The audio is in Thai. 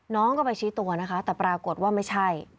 น้องก็ไปชี้ตัวนะคะแต่ปรากฏว่าไม่ใช่